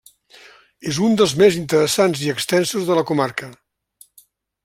És un dels més interessants i extensos de la comarca.